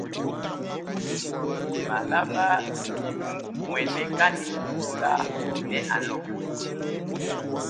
Malaba bimuaneka ne mvula ne aloka.